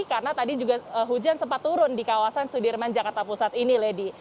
karena tadi juga hujan sempat turun di kawasan sudirman jakarta pusat ini lady